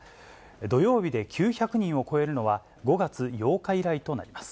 土曜日で９００人を超えるのは、５月８日以来となります。